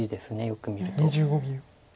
よく見ると。